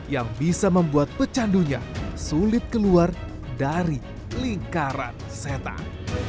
yang bisa membuat pecandunya sulit keluar dari lingkaran setan